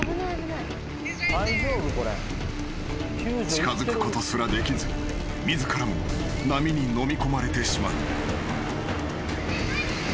［近づくことすらできずに自らも波にのみ込まれてしまう］